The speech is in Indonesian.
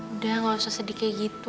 udah nggak usah sedikit gitu